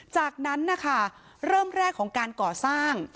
จากนั้นนะคะเริ่มแรกของการก่อสร้าง